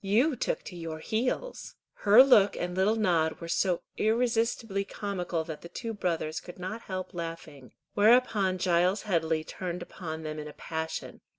"You took to your heels." Her look and little nod were so irresistibly comical that the two brothers could not help laughing; whereupon Giles Headley turned upon them in a passion.